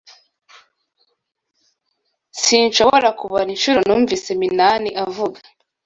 Sinshobora kubara inshuro numvise Minani avuga.